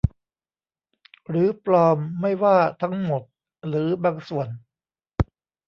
หรือปลอมไม่ว่าทั้งหมดหรือบางส่วน